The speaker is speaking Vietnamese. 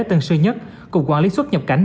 tân sư nhất cùng quản lý xuất nhập cảnh